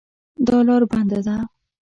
دا لار بنده ده